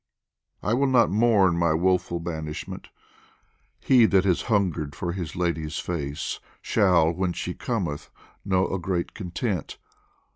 I will not mourn my woeful banishment, He that has hungered for his lady's face Shall, when she cometh, know a great content.